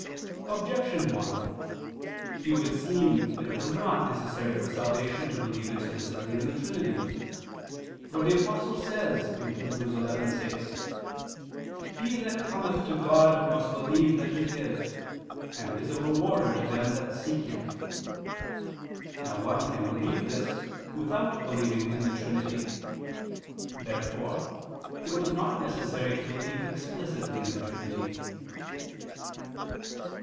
Objection 1: It would seem that it was not necessary for salvation to believe explicitly in the Trinity. For the Apostle says (Heb. 11:6): "He that cometh to God must believe that He is, and is a rewarder to them that seek Him." Now one can believe this without believing in the Trinity. Therefore it was not necessary to believe explicitly in the Trinity.